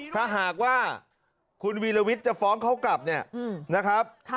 ถ้าหากว่าคุณวีฬวิสจะฝองเขากลับนะครับ